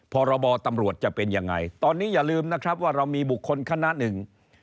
พรบตำรวจจะเป็นยังไงตอนนี้อย่าลืมนะครับว่าเรามีบุคคลคณะหนึ่ง